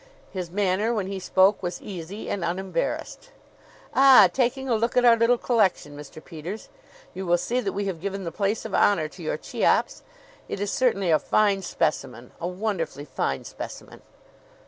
His manner, when he spoke, was easy and unembarrassed. "Ah! Taking a look at our little collection, Mr. Peters? You will see that we have given the place of honor to your Cheops. It is certainly a fine specimen a wonderfully fine specimen."